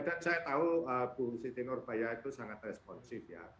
dan saya tahu bu siti norbaya itu sangat responsif ya